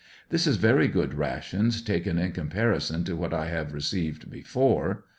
This is very good rations taken in comparison to what I have received before.